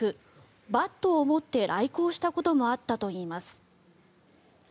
バットを持って来校したこともあったといいます。